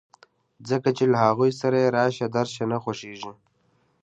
ځکه چې له هغوی سره یې راشه درشه نه خوښېږي